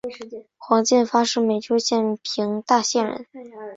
黄晋发是美湫省平大县人。